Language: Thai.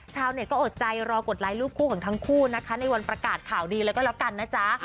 ชาวเน็ตก็อดใจรอกดไลค์รูปคู่ของทั้งคู่นะคะในวันประกาศข่าวดีเลยก็แล้วกันนะจ๊ะ